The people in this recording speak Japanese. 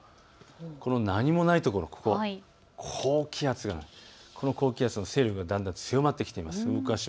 この何もないところ、高気圧の勢力がだんだん強まってきています。